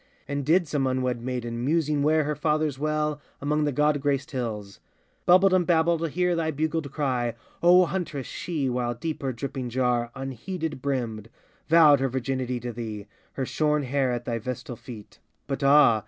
And did some unwed maiden, musing where Her father's well, among the god graced hills; Bubbled and babbled, hear thy bugled cry, O Huntress, she, while deep her dripping jar Unheeded brimmed, vowed her virginity To thee her shorn hair at thy vestal feet. But, ah!